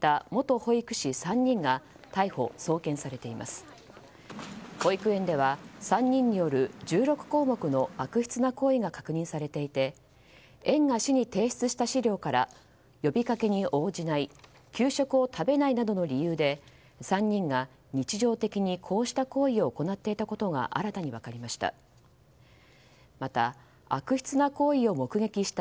保育園では３人による１６項目の悪質な行為が確認されていて園が市に提出した資料から呼びかけに応じない給食を食べないなどの理由で３人が日常的にこうした行為を行っていたことが新たに分かりました。